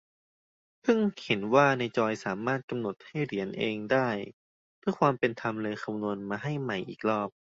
เพิ่งเห็นว่าในจอยสามารถกำหนดให้เหรียญเองได้ เพื่อความเป็นธรรมเลยคำนวนมาให้ใหม่อีกรอบ